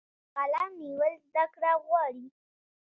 د قلم نیول زده کړه غواړي.